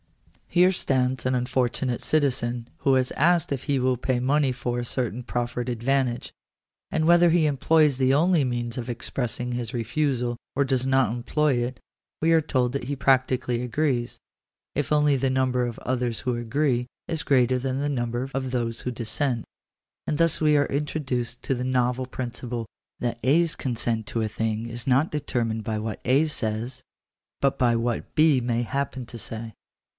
Here stands an unfortunate citizen who is asked if he will pay money for a certain proffered advantage ; and whether he employs the only means of expressing his refusal or does not employ it, we are told that he practically agrees ; if only the number of others who agree is greater than the number of those who dissent. And thus we are introduced to the novel principle that A's consent to a thing is not deter mined by what A says, but by what B may happen to say